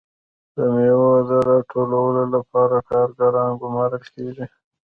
د میوو د راټولولو لپاره کارګران ګمارل کیږي.